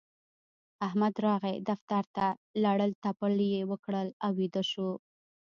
احمد راغی دفتر ته؛ لړل تپل يې وکړل او ويده شو.